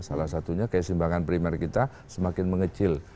salah satunya keseimbangan primer kita semakin mengecil